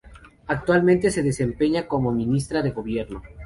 Actualmente se desempeña como Ministra de Gobierno.